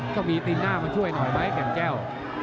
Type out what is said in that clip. ก็มีตินหน้ามันช่วยนะคะแก่งแก้ว